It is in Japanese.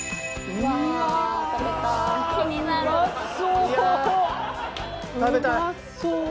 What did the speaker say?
うまそう！